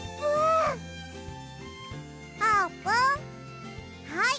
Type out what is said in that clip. あーぷんはい。